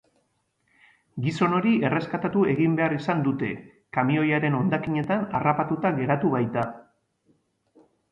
Gizon hori erreskatatu egin behar izan dute, kamioiaren hondakinetan harrapatuta geratu baita.